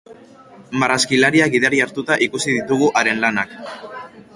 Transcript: Marrazkilaria gidari hartuta ikusi ditugu haren lanak.